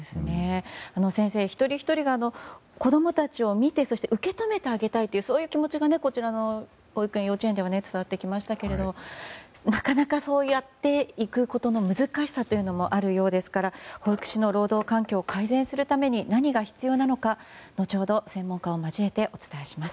先生、一人ひとりが子供たちを見て受け止めてあげたいという気持ちがこちらの保育園、幼稚園からは伝わってきましたけどもなかなか、そうやっていくことの難しさというのもあるようですから保育士の労働環境を改善するために何が必要なのか後ほど、専門家を交えてお伝えします。